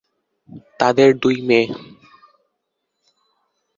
তাঁদের দুই মেয়ে।